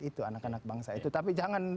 itu anak anak bangsa itu tapi jangan